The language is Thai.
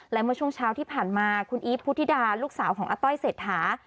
และเมื่อช่วงเช้าที่ผ่านมาคุณอีฟพุทธิดาลูกสาวของอาต้อยเศรษฐา